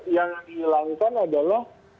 yang dihilangkan adalah